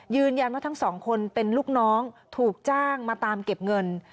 ทั้งสองคนเป็นลูกน้องถูกจ้างมาตามเก็บเงิน